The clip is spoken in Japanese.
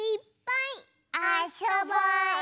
あそぼうね！